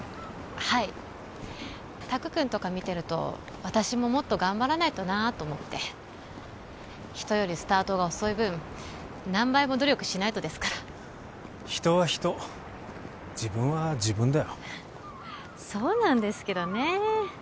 はい拓くんとか見てると私ももっと頑張らないとなと思って人よりスタートが遅い分何倍も努力しないとですから人は人自分は自分だよそうなんですけどね